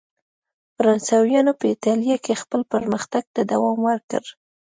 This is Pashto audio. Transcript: فرانسویانو په اېټالیا کې خپل پرمختګ ته دوام ورکړ.